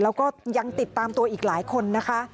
แล้วก็ยังติดตามตัวอีกหลายคนนะคะ